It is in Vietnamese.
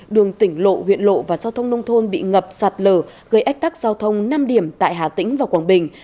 đường tỉnh lộ huyện lộ và giao thông nông thôn bị ngập sạt lở gây ách tắc giao thông năm điểm tại hà tĩnh và quảng bình